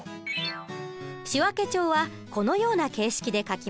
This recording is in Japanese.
仕訳帳はこのような形式で書きます。